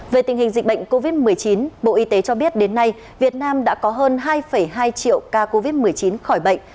về tình hình dịch bệnh covid một mươi chín bộ y tế cho biết đến nay việt nam đã có hơn hai hai triệu ca covid một mươi chín khỏi bệnh